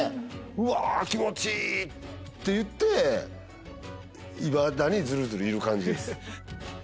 うわ気持ちいい！っていっていまだにズルズルいる感じです。